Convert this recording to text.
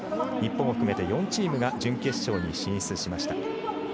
日本を含めて４チームが準決勝に進出しました。